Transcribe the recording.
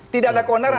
tidak ada keonaran